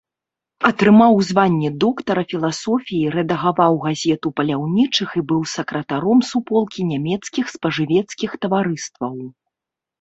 Атрымаў званне доктара філасофіі, рэдагаваў газету паляўнічых і быў сакратаром суполкі нямецкіх спажывецкіх таварыстваў.